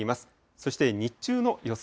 そして日中の予想